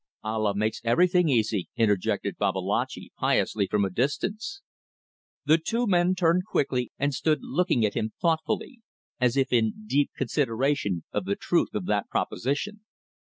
"Allah makes everything easy," interjected Babalatchi, piously, from a distance. The two men turned quickly and stood looking at him thoughtfully, as if in deep consideration of the truth of that proposition.